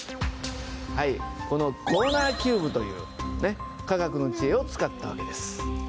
はいこのコーナーキューブというね科学の知恵を使ったわけです。